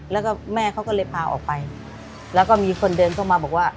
แล้วก็แม่เขาก็เลยพาออกไปแล้วก็มีคนเดินเข้ามาบอกว่า